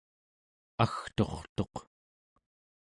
agturtuq